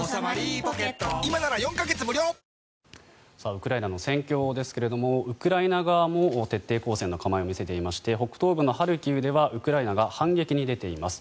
ウクライナの戦況ですけれどもウクライナ側も徹底抗戦の構えを見せていまして北東部のハルキウではウクライナが反撃に出ています。